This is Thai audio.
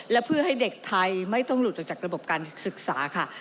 และเพื่อให้เด็กไทยไม่ต้องหลุดออกจากระบบการศึกษาค่ะ